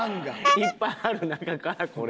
いっぱいある中からこれ。